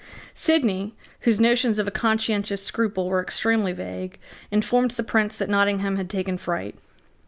Sidney, whose notions of a conscientious scruple were extremely vague, informed the Prince that Nottingham had taken fright.